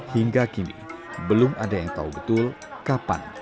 hingga kini belum ada yang tahu betul kapan